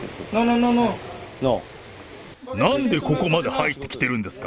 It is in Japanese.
なんでここまで入ってきてるんですか？